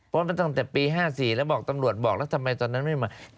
มาตั้งแต่ปี๕๔แล้วบอกตำรวจบอกแล้วทำไมตอนนั้นไม่มา